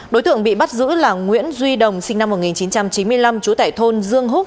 đối tượng bị bắt giữ là nguyễn duy đồng sinh năm một nghìn chín trăm chín mươi năm chú tải thôn dương húc